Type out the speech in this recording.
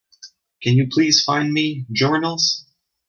Can you please find me, Journals?